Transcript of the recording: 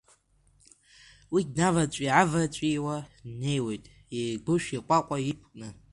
Уи днаваҵәи-ааваҵәиуа днеиуеит, иеигәышә иҟәаҟәа иқәкны.